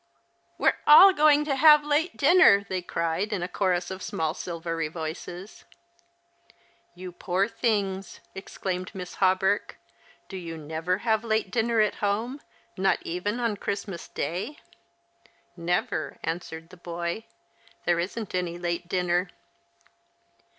" We're all going to have late dinner !" they cried, in a chorus of small silvery voices. " You poor things !" exclaimed 3Iiss Hawberk, " Do you never have late dinner at home, not even on Christmas Day ?"" Never," answered the boy. " There isn't any late dinner.